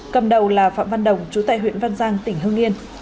cầm đầu là phạm văn đồng trú tại huyện văn giang tỉnh hưng yên